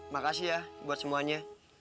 makasih ya buat semuanya